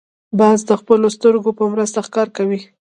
باز د خپلو سترګو په مرسته ښکار کوي